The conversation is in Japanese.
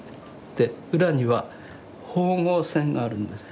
で裏には縫合線があるんです。